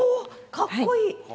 かっこいい。